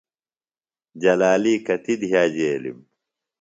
جلالی کتیۡ دِھِیہ جیلِم؟